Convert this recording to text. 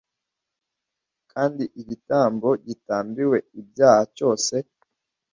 kandi igitambo gitambiwe ibyaha cyose